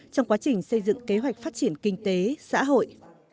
trong quá trình xây dựng kế hoạch phát triển kinh tế xã hội